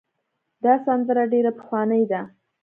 دا سندره ډېره پخوانۍ ده.